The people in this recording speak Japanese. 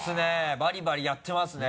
バリバリやってますね！